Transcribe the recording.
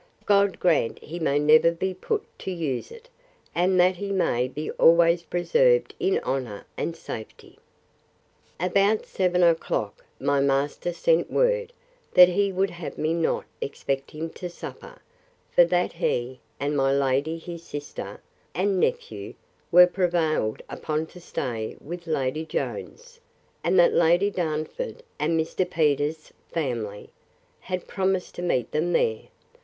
God grant he may never be put to use it! and that he may be always preserved in honour and safety! About seven o'clock my master sent word, that he would have me not expect him to supper; for that he, and my lady his sister, and nephew, were prevailed upon to stay with Lady Jones; and that Lady Darnford, and Mr. Peters's family, had promised to meet them there.